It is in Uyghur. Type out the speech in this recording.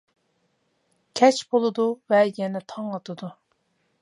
كەچ بولىدۇ ۋە يەنە تاڭ ئاتىدۇ.